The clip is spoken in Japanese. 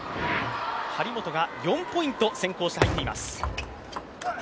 張本が４ポイント先行して入っています。